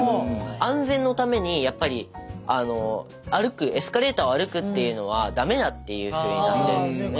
安全のためにやっぱり歩くエスカレーターを歩くっていうのは駄目だっていうふうになってるんですよね。